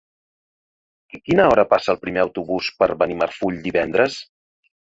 A quina hora passa el primer autobús per Benimarfull divendres?